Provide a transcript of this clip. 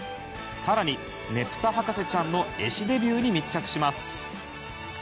更に、ねぷた博士ちゃんの絵師デビューに密着します。